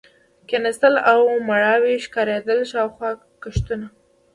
کېناستلې او مړاوې ښکارېدلې، شاوخوا کښتونه.